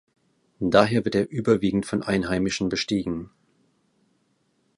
Daher wird er überwiegend von Einheimischen bestiegen.